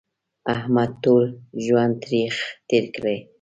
احمد ټول ژوند تریخ تېر کړ.